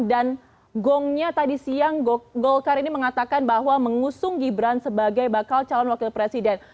dan gongnya tadi siang golkar ini mengatakan bahwa mengusung gibran sebagai bakal calon wakil presiden